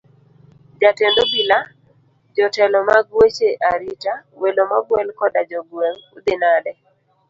Jatend obila, jotelo mag weche arita, welo mogwel koda jogweng', udhi nade?